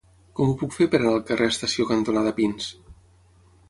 Com ho puc fer per anar al carrer Estació cantonada Pins?